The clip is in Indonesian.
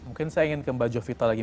mungkin saya ingin ke mbak jovita lagi